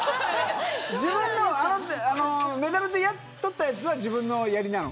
メダルを取ったやつは自分のやりなの。